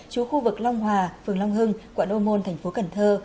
chú khu vực long hòa phường long hưng quận ô môn thành phố cần thơ